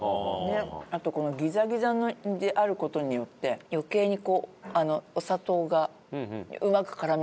あとこのギザギザのである事によって余計にお砂糖がうまく絡み合ってるんですね。